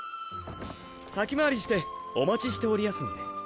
先回りしてお待ちしておりやすんで。